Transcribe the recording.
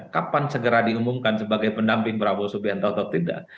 kapan segera diumumkan sebagai pendamping prabowo subianto atau tidak